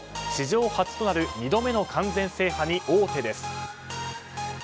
史上初となる２度目の完全制覇に王手です。